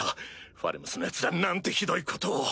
ファルムスのヤツら何てひどいことを。